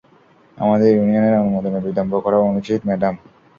আমাদের ইউনিয়নের অনুমোদনে বিলম্ব করা অনুচিত, ম্যাডাম।